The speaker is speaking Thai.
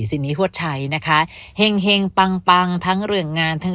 สินีฮวดชัยนะคะเห็งปังปังทั้งเรื่องงานทั้ง